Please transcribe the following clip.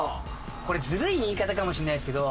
これずるい言い方かもしれないですけど